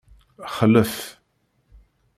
Xlef.